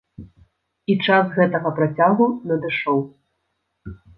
І час гэтага працягу надышоў.